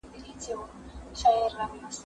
ته ولي د کتابتون کتابونه لوستل کوې!.